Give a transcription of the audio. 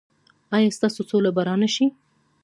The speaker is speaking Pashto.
ایا ستاسو سوله به را نه شي؟